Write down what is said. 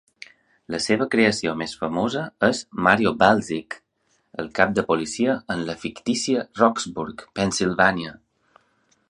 La seva creació més famosa és Mario Balzic, el cap de policia en la fictícia Rocksburg, Pensilvània.